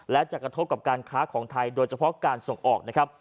และจะกระทบกับการค้าของไทยโดยเฉพาะการส่งออกนะครับ